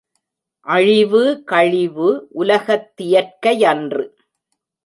அழிவு கழிவு உலகத்தியற்கையன்று.